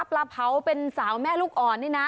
ปลาเผาเป็นสาวแม่ลูกอ่อนนี่นะ